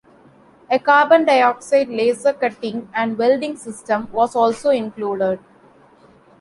A carbon dioxide laser cutting and welding system was also included.